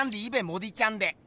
モディちゃん